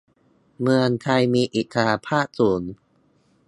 เมืองไทยมีอิสรภาพสูง